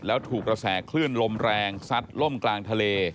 แล้วถูกกระแสคลื่นลมแรงซัดล่มกลางทะเล